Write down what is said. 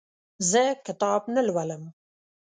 زه کتاب نه لولم.